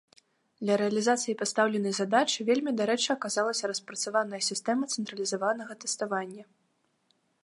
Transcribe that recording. Для рэалізацыі пастаўленай задачы вельмі дарэчы аказалася распрацаваная сістэма цэнтралізаванага тэставання.